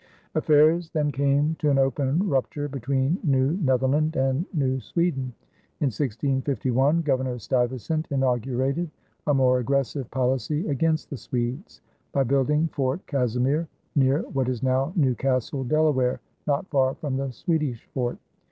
Affairs then came to an open rupture between New Netherland and New Sweden. In 1651 Governor Stuyvesant inaugurated a more aggressive policy against the Swedes by building Fort Casimir near what is now New Castle, Delaware, not far from the Swedish fort.